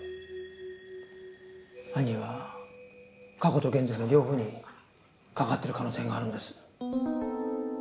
犯人は過去と現在の両方に関わっている可能性があるんです。